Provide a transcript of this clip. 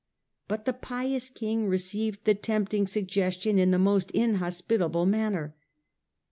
But the pious King received the tempting suggestion in the most inhospitable manner.